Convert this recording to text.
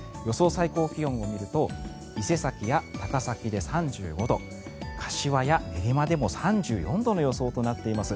最高気温を見ると伊勢崎や高崎で３５度柏や練馬でも３４度の予想となっています。